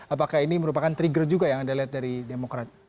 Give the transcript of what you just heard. apakah ini merupakan trigger juga yang anda lihat dari demokrat